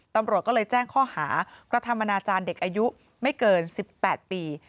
ตำรวจก็เลยแจ้งข้อหากระทำอนาจารย์เด็กอายุไม่เกิน๑๘ปี